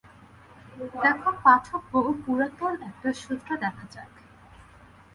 দেখ পাঠক বহু পুরাতন একটা সূত্র দেখা যাক।